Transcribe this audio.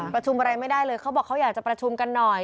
ประชุมอะไรไม่ได้เลยเขาบอกเขาอยากจะประชุมกันหน่อย